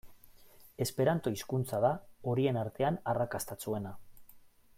Esperanto hizkuntza da horien artean arrakastatsuena.